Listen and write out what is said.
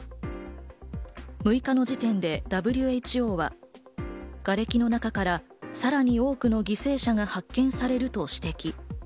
６日の時点でＷＨＯは、がれきの中からさらに多くの犠牲者が発見されると指摘。